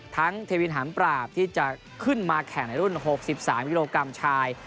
เทวินหามปราบที่จะขึ้นมาแข่งในรุ่น๖๓กิโลกรัมชาย